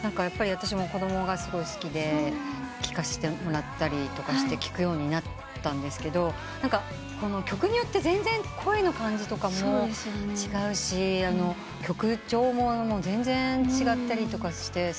私も子供がすごい好きで聞かせてもらったりとかして聴くようになったんですけど曲によって全然声の感じとかも違うし曲調も全然違ったりとかしてすごいなって。